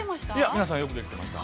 ◆皆さんよくできてました